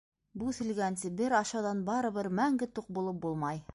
Бүҫелгәнсе бер ашауҙан барыбер мәңге туҡ булып булмай.